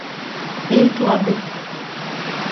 Īt labi.